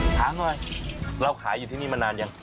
หาของอะไรเราขายอยู่ที่นี่มานานยัง